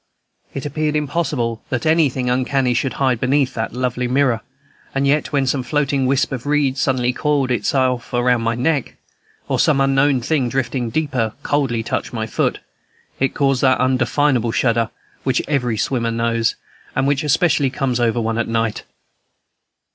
It appeared impossible that anything uncanny should hide beneath that lovely mirror; and yet when some floating wisp of reeds suddenly coiled itself around my neck, or some unknown thing, drifting deeper, coldly touched my foot, it caused that undefinable shudder which every swimmer knows, and which especially comes over one by night.